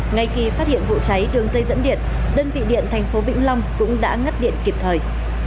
ngay khi phát hiện vụ cháy đường dây dẫn điện đơn vị điện thành phố vĩnh long cũng đã ngắt điện kịp thời